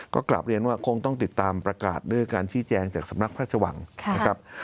ก็กลับเรียนว่าคงต้องติดตามประกาศด้วยการชี้แจงจากสำนักพระราชวังนะครับ